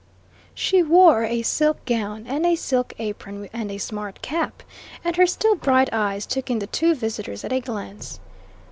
She wore a silk gown and a silk apron and a smart cap, and her still bright eyes took in the two visitors at a glance.